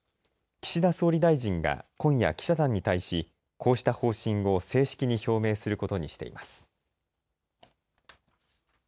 岸田総理大臣が今夜、記者団に対しこうした方針を正式に表明することにしています。